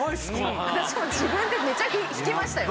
私も自分でめっちゃ引きましたよ